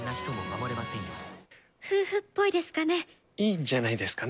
夫婦っぽいですかね。